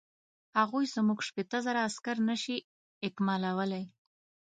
هغوی زموږ شپېته زره عسکر نه شي اکمالولای.